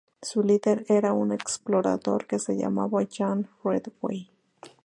Su líder era un explorador que se llamaba John Ridgeway.